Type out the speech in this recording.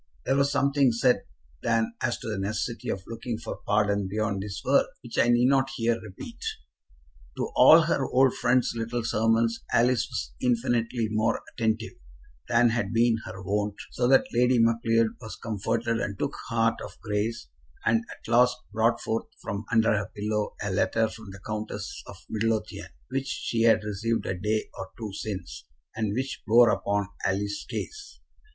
There was something said then as to the necessity of looking for pardon beyond this world, which I need not here repeat. To all her old friend's little sermons Alice was infinitely more attentive than had been her wont, so that Lady Macleod was comforted and took heart of grace, and at last brought forth from under her pillow a letter from the Countess of Midlothian, which she had received a day or two since, and which bore upon Alice's case.